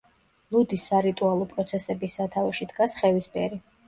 ლუდის სარიტუალო პროცესების სათავეში დგას ხევისბერი.